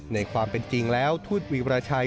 ในความเป็นจริงแล้วทูตวีรชัย